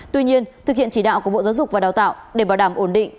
tuy nhiên thực hiện chỉ đạo của bộ giáo dục và đào tạo để bảo đảm ổn định